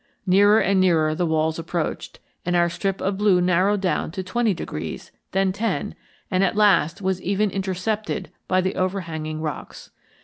Nearer and nearer the walls approached, and our strip of blue narrowed down to twenty degrees, then ten, and at last was even intercepted by the overhanging rocks.